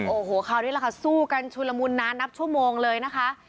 โอ้โหคราวนี้แหละค่ะสู้กันชุลมุนนานนับชั่วโมงเลยนะคะ